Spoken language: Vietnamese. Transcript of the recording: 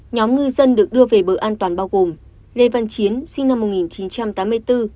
nhóm ngư dân được đưa về bờ an toàn bao gồm lê văn chiến sinh năm một nghìn chín trăm tám mươi bốn